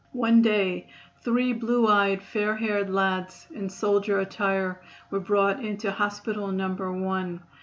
One day three blue eyed, fair haired lads in soldier attire were brought into "hospital number one."